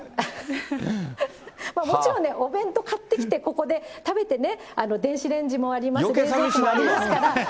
もちろんね、お弁当買ってきて、ここで食べてね、電子レンジもありますし、冷蔵庫もありますし。